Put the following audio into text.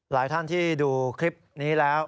หลายท่านที่ดูคลิปนี้แล้ว